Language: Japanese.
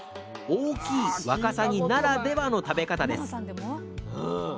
大きいわかさぎならではの食べ方です。